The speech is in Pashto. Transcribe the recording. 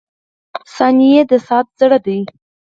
• ثانیې د ساعت زړه دی.